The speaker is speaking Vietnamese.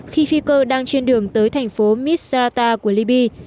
khi phi cơ đang trên đường tới thành phố misrata của libya